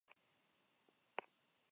Zergatik galdu da lanbide hau?